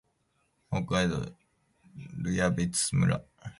北海道留夜別村